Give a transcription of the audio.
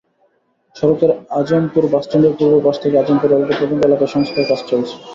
সড়কের আজমপুর বাসস্ট্যান্ডের পূর্ব পাশ থেকে আজমপুর রেলগেট পর্যন্ত এলাকায় সংস্কারকাজ চলছে।